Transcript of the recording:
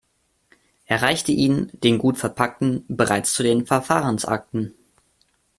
Er reichte ihn, den gut verpackten, bereits zu den Verfahrensakten.